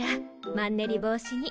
マンネリ防止に。